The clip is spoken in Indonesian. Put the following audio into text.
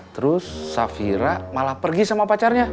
terus safira malah pergi sama pacarnya